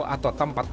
atau tempat menjaga